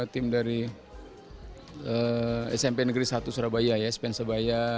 tim dari smp negeri satu surabaya smp nsebaya